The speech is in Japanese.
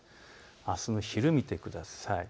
あすの昼を見てください。